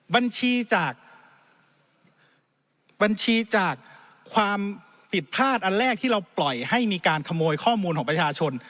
บัญชีจากบัญชีจากความผิดพลาดอันแรกที่เราปล่อยให้มีการขโมยข้อมูลของประชาชน